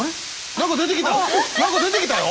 何か出てきたよ？